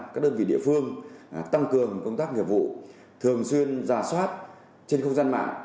các đơn vị địa phương tăng cường công tác nghiệp vụ thường xuyên giả soát trên không gian mạng